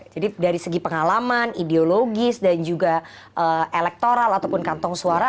jadi dari segi pengalaman ideologis dan juga elektoral ataupun kantong suara